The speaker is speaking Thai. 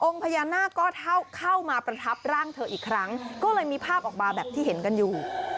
พญานาคก็เข้ามาประทับร่างเธออีกครั้งก็เลยมีภาพออกมาแบบที่เห็นกันอยู่